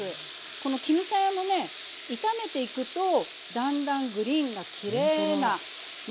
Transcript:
この絹さやもね炒めていくとだんだんグリーンがきれいなね